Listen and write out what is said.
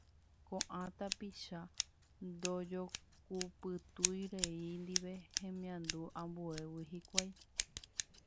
Ko'ã tapicha ndojokupytúi rey ndive hemiandu ambuégui hikuái.